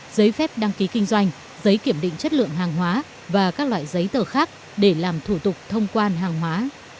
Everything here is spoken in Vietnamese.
giấy phép đăng ký kinh doanh giấy kiểm định chất lượng hàng hóa và các loại giấy tờ khác để làm thủ tục thông quan hàng hóa